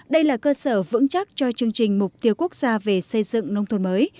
đây là cơ sở vững chắc cho chương trình mục tiêu quốc gia về xây dựng nông thôn mới